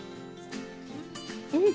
うん。